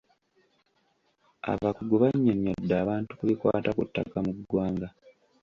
Abakugu bannyonnyodde abantu ku bikwata ku ttaka mu ggwanga.